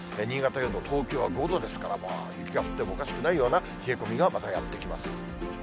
新潟４度、東京は５度ですから、雪が降ってもおかしくないような冷え込みがまたやって来ます。